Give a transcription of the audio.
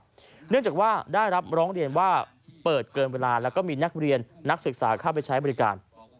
เนื่องจากว่าได้รับร้องเรียนว่าเปิดเกินเวลาแล้วก็มีนักเรียนนักศึกษาเข้าไปใช้บริการ